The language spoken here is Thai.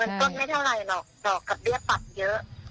ใช่ค่ะมันก็ไม่เท่าไรหรอกดอกกับเรียบปรับเยอะ